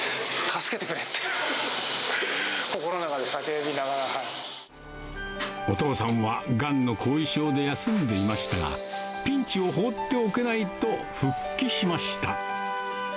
助けてくれって、心の中で叫びなお父さんはがんの後遺症で休んでいましたが、ピンチを放っておけないと復帰しました。